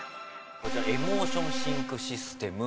こちらエモーションシンクシステム